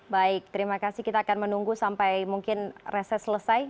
baik terima kasih kita akan menunggu sampai mungkin reses selesai